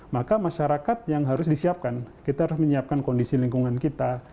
maka masyarakat yang harus disiapkan kita harus menyiapkan kondisi lingkungan kita